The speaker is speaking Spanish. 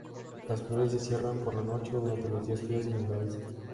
Las flores se cierran por la noche o durante los días fríos y nublados.